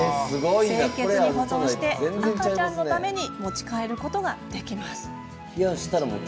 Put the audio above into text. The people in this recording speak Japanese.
清潔に保存して赤ちゃんのために持ち帰ることができます。